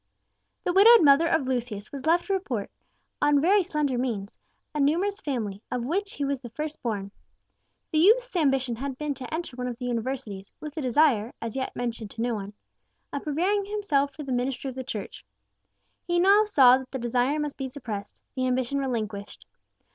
The widowed mother of Lucius was left to support, on very slender means, a numerous family, of which he was the first born. The youth's ambition had been to enter one of the universities, with a desire as yet mentioned to no one of preparing himself for the ministry of the Church. He now saw that the desire must be suppressed, the ambition relinquished.